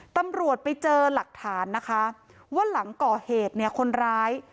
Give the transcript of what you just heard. ตำรวจไปเจอหลักฐานนะคะว่าหลังก่อเหตุเนี่ยคนร้าย